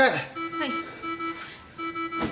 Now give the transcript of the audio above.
はい。